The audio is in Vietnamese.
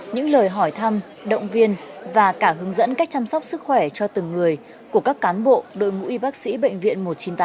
những lời hỏi thăm động viên và cả hướng dẫn cách chăm sóc sức khỏe cho từng người của các cán bộ đội ngũ y bác sĩ bệnh viện một trăm chín mươi tám